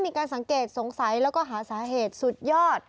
มีการสังเกตสงสัยแล้วก็หาสาเหตุสุดยอด